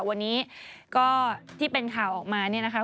วันนี้ก็ที่เป็นข่าวออกมาเนี่ยนะคะ